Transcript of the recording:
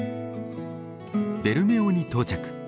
ベルメオに到着。